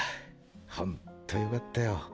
ほんっとよかったよ。